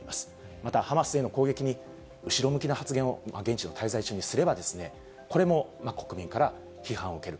また、ハマスへの攻撃に後ろ向きな発言を現地の滞在中にすれば、これも国民から批判を受ける。